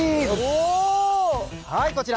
はいこちら。